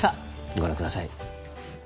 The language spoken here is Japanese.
ご覧ください。